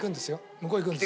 向こう行くんですよ？